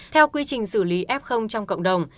theo quy trình xử lý f trong cộng đồng